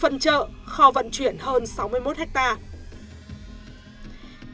phần chợ kho vận chuyển hơn sáu mươi một hectare